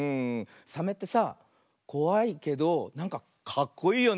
サメってさこわいけどなんかかっこいいよね。